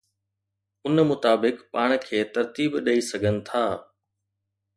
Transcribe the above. ان مطابق پاڻ کي ترتيب ڏئي سگھن ٿا.